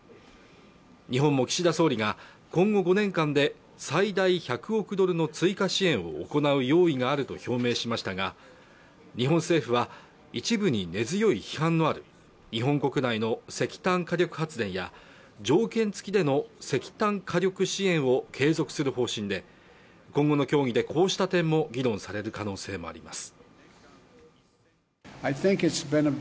日本も岸田総理が今後５年間で最大１００億ドルの追加支援を行う用意があると表明しましたが日本政府は一部に根強い批判のある日本国内の石炭火力発電や条件付きでの石炭火力支援を継続する方針で今後の協議でこうした点も議論される可能性もあります